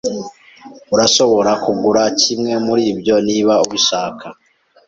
Urashobora kugura kimwe muribyo niba ubishaka.